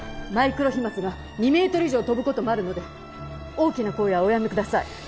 マイクロ飛沫が２メートル以上飛ぶ事もあるので大きな声はおやめください。